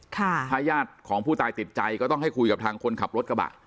ถ้าญาติของผู้ตายติดใจก็ต้องให้คุยกับทางคนขับรถกระบะ